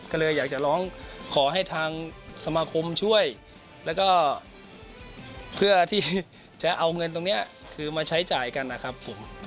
ก็เลยอยากจะร้องขอให้ทางสมาคมช่วยแล้วก็เพื่อที่จะเอาเงินตรงนี้คือมาใช้จ่ายกันนะครับผม